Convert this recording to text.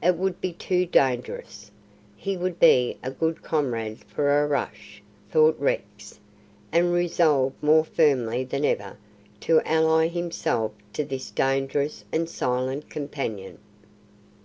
It would be too dangerous. "He would be a good comrade for a rush," thought Rex, and resolved more firmly than ever to ally himself to this dangerous and silent companion.